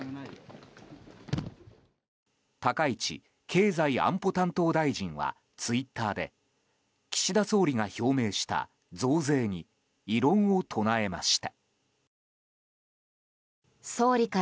高市経済安保担当大臣はツイッターで岸田総理が表明した増税に異論を唱えました。